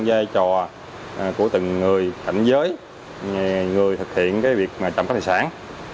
giai trò của từng người cảnh giới người thực hiện việc trộm cắp tài sản